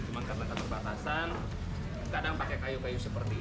cuma karena terbatasan kadang pakai kayu kayu seperti ini